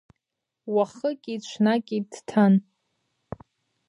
Уахыки-ҽнаки дҭан.